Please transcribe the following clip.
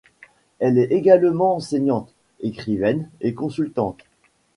Elle est également enseignante, écrivaine et consultante.